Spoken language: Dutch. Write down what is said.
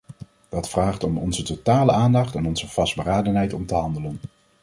Dat vraagt om onze totale aandacht en onze vastberadenheid om te handelen.